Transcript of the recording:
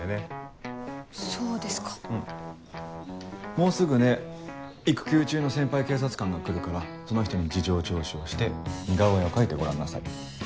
もうすぐね育休中の先輩警察官が来るからその人に事情聴取をして似顔絵を描いてごらんなさい。